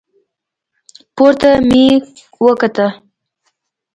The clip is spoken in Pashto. پورته مې وکتل.